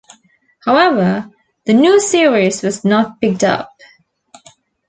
However, the new series was not picked up.